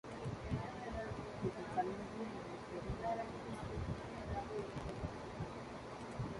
இதைக் கண்டதும், அவளுக்கு ஒரே நடுக்கமாகப் போய்விட்டது.